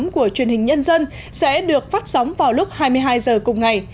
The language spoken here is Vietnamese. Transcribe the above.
của truyền hình nhân dân sẽ được phát sóng vào lúc hai mươi hai h cùng ngày